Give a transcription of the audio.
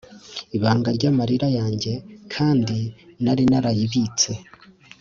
ibanga ry'amarira yanjye; kandi nari narayibitse